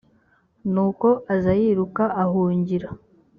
nuko aza yiruka ahungira